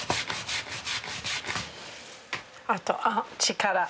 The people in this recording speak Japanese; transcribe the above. あとは力。